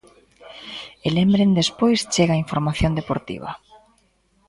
E lembren despois chega a información deportiva.